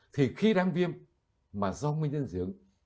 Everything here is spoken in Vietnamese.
thì khi đang viêm mà do nguyên nhân dưỡng